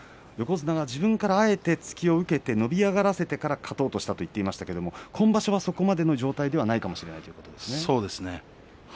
横綱が自分からあえて突きを受けて伸び上がらせてから勝とうとしたと言っていましたが今場所はそこまでの状態ではないかもしれませんね。